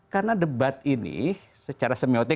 karena debat ini secara semiotik